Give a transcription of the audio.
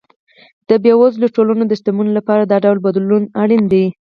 د بېوزلو ټولنو د شتمنۍ لپاره دا ډول بدلون اړین دی.